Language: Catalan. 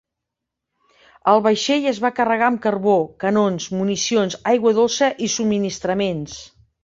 El vaixell es va carregar amb carbó, canons, municions, aigua dolça i subministraments.